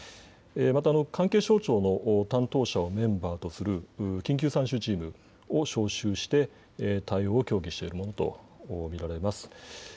また関係省庁の担当者をメンバーとする緊急参集チームを招集して対応を協議しているものと見られます。